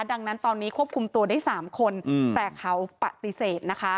ดังนั้นตอนนี้ควบคุมตัวได้๓คนแต่เขาปฏิเสธนะคะ